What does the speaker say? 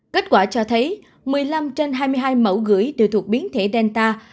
kết quả cho thấy một mươi năm trên hai mươi hai mẫu gửi đều thuộc biến thể delta